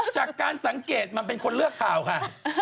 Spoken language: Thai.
จากการสังเกตมันเป็นคนเลือกข่าวค่ะ